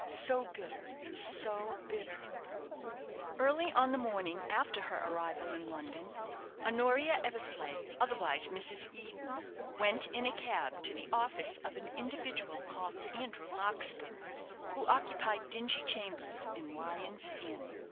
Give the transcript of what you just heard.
so bitter! so bitter!" Early on the morning after her arrival in London, Honoria Eversleigh, otherwise Mrs. Eden, went in a cab to the office of an individual called Andrew Larkspur, who occupied dingy chambers in Lyon's Inn.